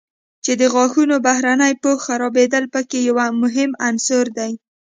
چې د غاښونو بهرني پوښ خرابېدل په کې یو مهم عنصر دی.